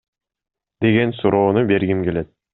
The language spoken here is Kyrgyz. деген суроону бергим келет.